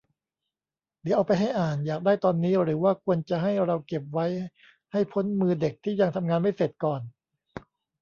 เดี๋ยวเอาไปให้อ่าน อยากได้ตอนนี้ หรือว่าควรจะให้เราเก็บไว้ให้พ้นมือเด็กที่ยังทำงานไม่เสร็จก่อน ?